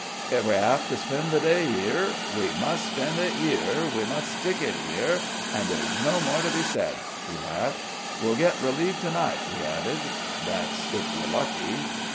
"If we 'ave to spend the day 'ere, we must spend it 'ere, we must stick it 'ere, and there's no more to be said," he laughed. "We'll get relieved to night," he added; "that's if we're lucky."